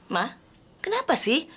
ma kenapa sih